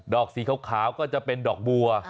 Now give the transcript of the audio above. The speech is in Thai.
อกสีขาวก็จะเป็นดอกบัว